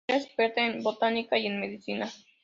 Era experta en botánica y en medicina.